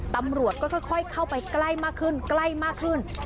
ตำรวจก็ค่อยเข้าไปใกล้มากขึ้นใกล้มากขึ้น